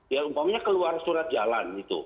ya umpamanya keluar surat jalan gitu